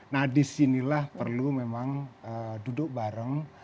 nah disinilah perlu memang duduk bareng